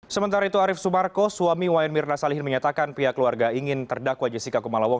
sementara itu arief sumarko suami wayan mirna salihin menyatakan pihak keluarga ingin terdakwa jessica kumala wong